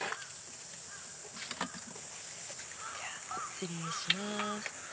失礼します。